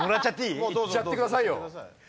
いっちゃってくださいよ。